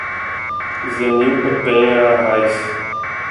Zenilda Penha Arraes